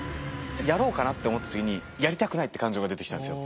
やろうかなって思った時にやりたくないって感情が出てきたんですよ。